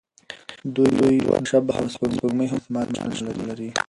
دوه شبح سپوږمۍ هم احتمالاً شتون لري.